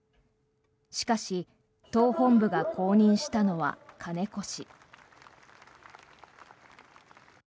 しかし、党本部が公認したのは金子氏。